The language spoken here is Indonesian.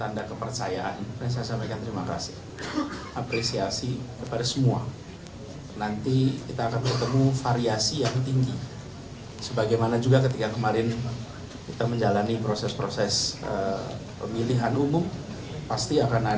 anis menanggapi hal tersebut